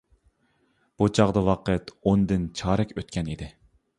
بۇ چاغدا ۋاقىت ئوندىن چارەك ئۆتكەن ئىدى.